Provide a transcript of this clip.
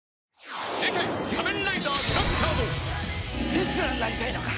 レスラーになりたいのか？